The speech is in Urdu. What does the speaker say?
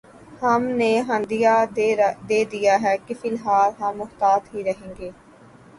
ہم نے عندیہ دے دیا ہے کہ فی الحال ہم محتاط ہی رہیں گے۔